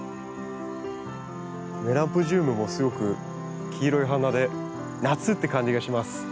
メランポジウムもすごく黄色い花で夏って感じがします。